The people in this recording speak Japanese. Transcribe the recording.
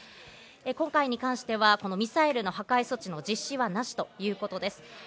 今回に関してはこのミサイルの破壊措置の実施はなしということです。